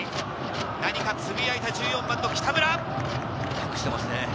何かつぶやいた１４番の北村。